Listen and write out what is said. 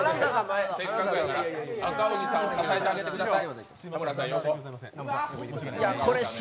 せっかくやから赤荻さん支えてあげてください。